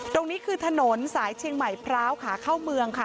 ตรงนี้คือถนนสายเชียงใหม่พร้าวขาเข้าเมืองค่ะ